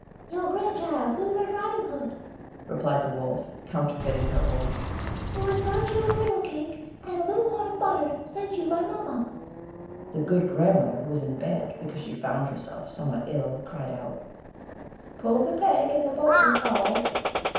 "Your grand child, Little Red Riding Hood," replied the Wolf, counterfeiting her voice, "who has brought you a girdle cake, and a little pot of butter, sent you by mamma." The good grand mother, who was in bed, because she found herself somewhat ill, cry'd out: "Pull the peg, and the bolt will fall."